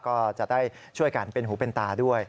ก็จะได้ช่วยกันเป็นหูเป็นตาด้วย